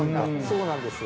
◆そうなんですよ。